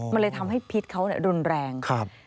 มันเลยทำให้พิษเขารุนแรง